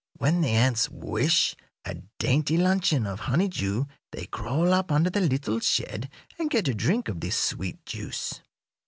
When the ants wish a dainty luncheon of honeydew they crawl up under the little shed and get a drink of this sweet juice.